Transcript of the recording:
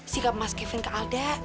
sikap mas kevin ke alda